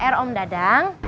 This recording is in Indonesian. phr om dadang